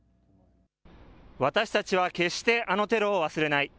私たちは決してあのテロを忘れない。